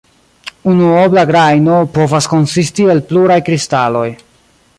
Unuobla grajno povas konsisti el pluraj kristaloj.